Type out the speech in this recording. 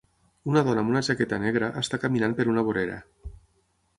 Una dona amb una jaqueta negra està caminant per una vorera